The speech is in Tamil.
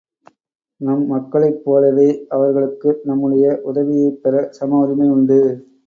நம் மக்களைப் போலவே, அவர்களுக்கு நம்முடைய உதவியைப் பெற சம உரிமை உண்டு.